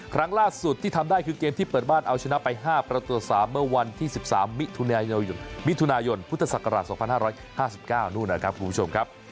ครั้งล่าสุดที่ทำได้คือเกมที่เปิดบ้านเอาชนะไป๕ประตู๓เมื่อวันที่๑๓มิถุนายนพุทธศักราช๒๕๕๙นู่นนะครับคุณผู้ชมครับ